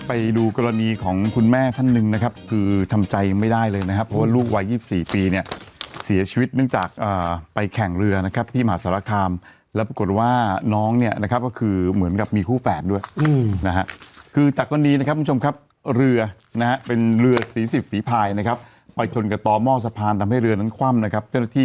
ไปดูกรณีของคุณแม่ท่านหนึ่งนะครับคือทำใจไม่ได้เลยนะครับเพราะว่าลูกวัย๒๔ปีเนี่ยเสียชีวิตเนื่องจากไปแข่งเรือนะครับที่มหาสารคามแล้วปรากฏว่าน้องเนี่ยนะครับก็คือเหมือนกับมีคู่แฝดด้วยนะฮะคือจากกรณีนะครับคุณผู้ชมครับเรือนะฮะเป็นเรือสีสิบฝีภายนะครับไปชนกับต่อหม้อสะพานทำให้เรือนั้นคว่ำนะครับเจ้าหน้าที่